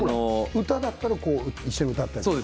歌だったら一緒に歌ってとか。